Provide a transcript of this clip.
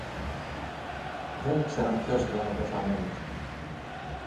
Δεν ήξεραν ποιος ήταν ο πεθαμένος.